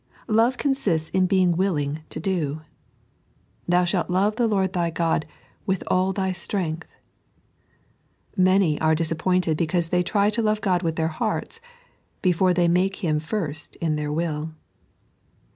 Love cooBiBts in being wiUiog to do. " Thou ahalt love the Lord th; God with ail Ay strmtglh." Slimy are disappointed because they try to love Qod with their hearte, before they make Him first in their will.